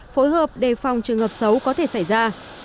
phối hợp đề phòng trường hợp xấu có thể xảy ra